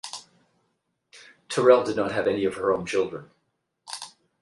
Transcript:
Terrell did not have any of her own children.